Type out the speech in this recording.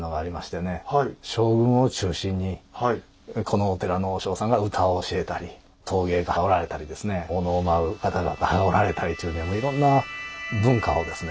このお寺の和尚さんが歌を教えたり陶芸家がおられたりですねお能を舞う方々がおられたりというねいろんな文化をですね